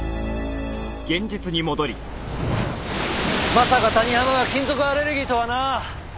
まさか谷浜が金属アレルギーとはなあ。